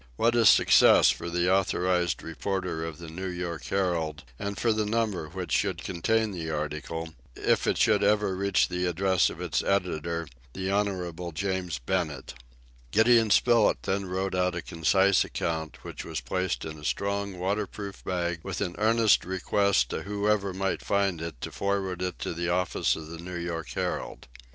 What a success for the authorized reporter of the New York Herald, and for the number which should contain the article, if it should ever reach the address of its editor, the Honorable James Bennett! Gideon Spilett then wrote out a concise account, which was placed in a strong waterproof bag, with an earnest request to whoever might find it to forward it to the office of the New York Herald.